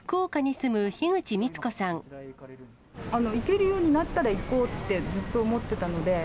行けるようになったら行こうって、ずっと思ってたので。